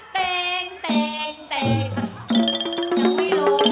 สีดังลว่า